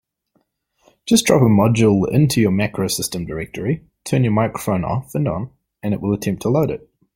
Just drop a module into your MacroSystem directory, turn your microphone off and on, and it will attempt to load it.